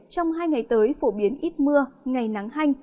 trong hai ngày tới phổ biến ít mưa ngày nắng hanh